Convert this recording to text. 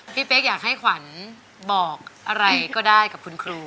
เป๊กอยากให้ขวัญบอกอะไรก็ได้กับคุณครู